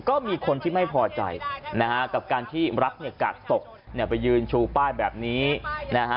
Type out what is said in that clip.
ก็มีคนที่ไม่พอใจนะคะกับการที่รักกาศตกไปยืนชูป้ายแบบนี้นะคะ